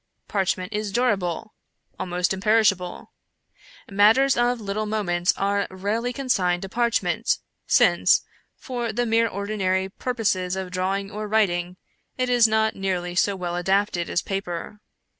Parchment is durable — almost imperishable. Mat ters of little moment are rarely consigned to parchment; since, for the mere ordinary purposes of drawing or writ ing, it is not nearly so well adapted as paper.